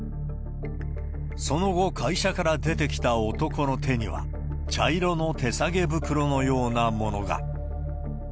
その後、会社から出てきた男の手には、茶色の手提げ袋のようなものが。